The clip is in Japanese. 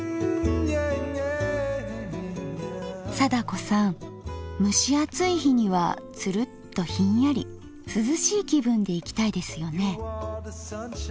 貞子さん蒸し暑い日にはツルッとひんやり涼しい気分でいきたいですよね。